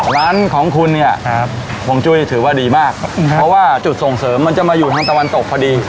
ร้านของคุณเนี่ยห่วงจุ้ยถือว่าดีมากเพราะว่าจุดส่งเสริมมันจะมาอยู่ทางตะวันตกพอดี